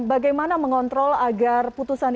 bagaimana mengontrol agar putusan